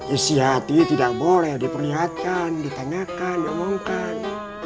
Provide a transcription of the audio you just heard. isi hati tidak boleh diperlihatkan ditanyakan diomongkan